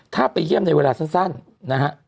ถ้าไปเยี่ยมในเวลาสั้นนะฮะ